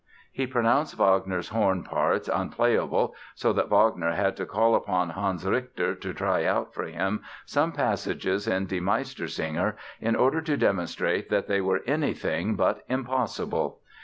He pronounced Wagner's horn parts "unplayable" so that Wagner had to call upon Hans Richter to try out for him some passages in Die Meistersinger in order to demonstrate that they were anything but "impossible".